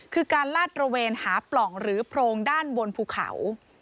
คือการลาดตระเวนหาปล่องหรือโพรงด้านบนภูเขา